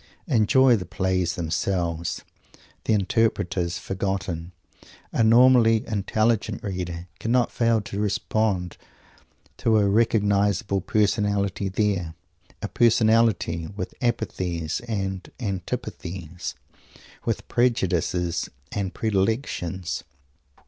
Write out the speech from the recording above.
Enjoying the plays themselves the interpreters forgotten a normally intelligent reader cannot fail to respond to a recognisable Personality there, a Personality with apathies and antipathies, with prejudices and predilections.